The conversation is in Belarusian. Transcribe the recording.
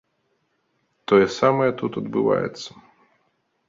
Тое самае тут адбываецца.